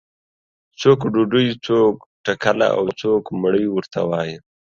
څوک ډوډۍ، څوک ټکله او څوک مړۍ ورته وایي.